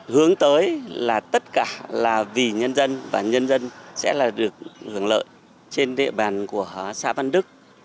hướng tới là tất cả là vì nhân dân và nhân dân sẽ được hưởng lợi trên địa bàn của xã văn đức